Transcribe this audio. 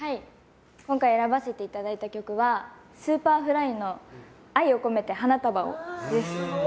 今回、選ばせていただいた曲はＳｕｐｅｒｆｌｙの「愛をこめて花束を」です。